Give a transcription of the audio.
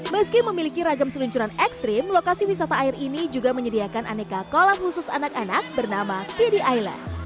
meski memiliki ragam seluncuran ekstrim lokasi wisata air ini juga menyediakan aneka kolam khusus anak anak bernama vd island